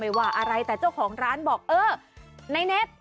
ว่าอะไรแต่เจ้าของร้านบอกเออในเน็ต